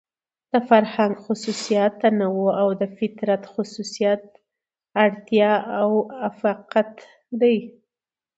د فرهنګ خصوصيت تنوع او د فطرت خصوصيت اړتيا او اۤفاقيت دى.